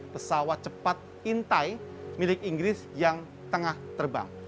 pesawat cepat intai milik inggris yang tengah terbang